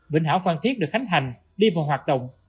vĩnh hảo phan thiết được khánh hành đi vào hoạt động